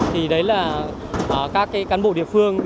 thì đấy là các cán bộ địa phương